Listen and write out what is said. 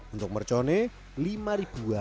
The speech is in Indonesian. untuk mercone rp lima